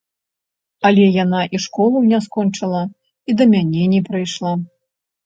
Але яна і школу не скончыла, і да мяне не прыйшла.